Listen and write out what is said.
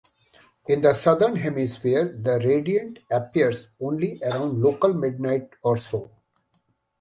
In the southern hemisphere, the radiant appears only around local midnight or so.